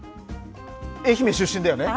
愛媛出身だよね。